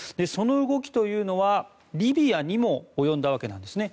その動きというのはリビアにも及びました。